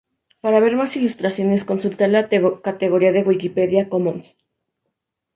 Para ver más ilustraciones, consultar la categoría de Wikimedia Commons.